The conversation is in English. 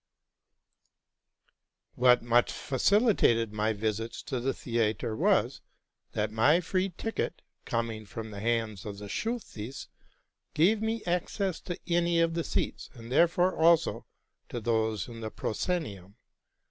'What much facilitated my visits to the theatre was, that my free ticket, coming from the hands of the Schuliheiss, gave me access to any of the seats, and therefore also to those in the proscenium.